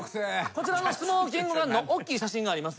こちらのスモーキングガンのおっきい写真があります。